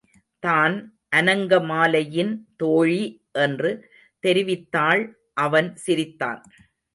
தான் அநங்கமாலையின் தோழி என்று தெரிவித்தாள் அவன் சிரித்தான்.